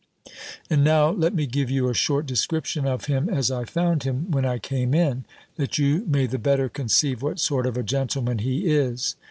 And now let me give you a short description of him as I found him, when I came in, that you may the better conceive what sort of a gentleman he is.